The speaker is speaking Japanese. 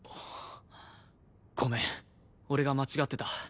ごめん俺が間違ってた。